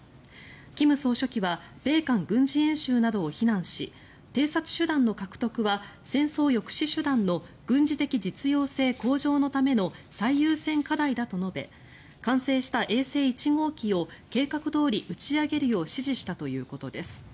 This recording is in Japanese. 金総書記は米韓軍事演習などを非難し偵察手段の獲得は戦争抑止手段の軍事的実用性向上のための最優先課題だと述べ完成した衛星１号機を計画どおり打ち上げるよう指示したということです。